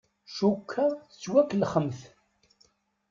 Cukkeɣ tettwakellexemt.